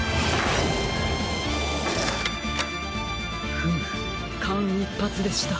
フムかんいっぱつでした。